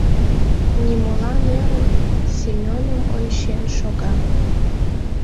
Нимолан ӧрын, Семеным ончен шога.